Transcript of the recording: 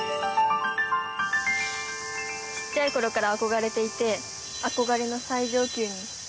ちっちゃい頃から憧れていて、憧れの最上級に。